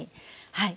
はい。